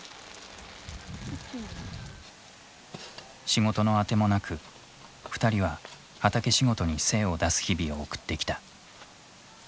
仕事の当てもなく２人は畑仕事に精を出す日々を送ってきた。